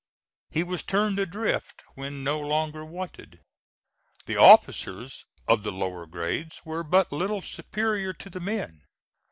He was turned adrift when no longer wanted. The officers of the lower grades were but little superior to the men.